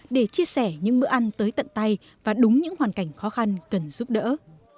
để chia sẻ những bữa ăn tới tận tay và đúng những hoàn cảnh khó khăn cần giúp đỡ